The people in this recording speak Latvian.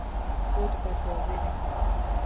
Ko tu par to zini?